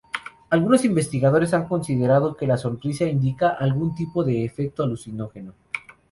Algunos investigadores han considerado que la sonrisa indica algún tipo de efecto alucinógeno.